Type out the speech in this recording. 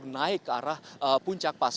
nah ini adalah hal yang sangat penting